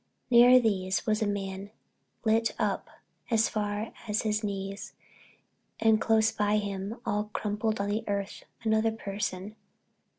Near these was a man, lit up as far as his knees, and close by him, all crumpled on the earth, another person.